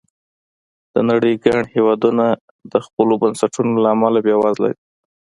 د نړۍ ګڼ هېوادونه د خپلو بنسټونو له امله بېوزله دي.